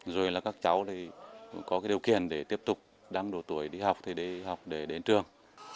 rồi là các cháu có điều kiện để tiếp tục đăng độ tuổi đi học đi học để đến trường